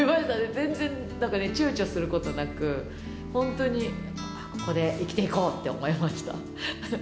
全然なんか、ちゅうちょすることなく、本当に、ここで生きていこうと思いました。